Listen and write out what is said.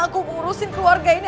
aku ngurusin keluarga ini